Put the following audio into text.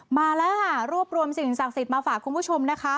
มาแล้วค่ะรวบรวมสิ่งศักดิ์สิทธิ์มาฝากคุณผู้ชมนะคะ